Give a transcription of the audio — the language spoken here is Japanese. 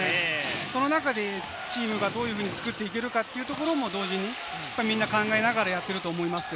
その中でチームがどういうふうに作っていけるかというのも同時にみんな考えながらやっていると思います。